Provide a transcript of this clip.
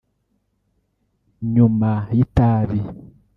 nyuma y’itabi